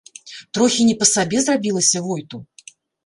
Трохі не па сабе зрабілася войту.